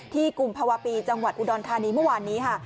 กุมภาวะปีจังหวัดอุดรธานีเมื่อวานนี้ค่ะ